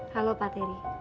halo pak teri